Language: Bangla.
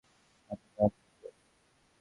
আমি বাম দিকে!